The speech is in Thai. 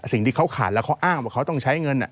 สิ่งที่เขาขาดแล้วเขาอ้างว่าเขาต้องใช้เงิน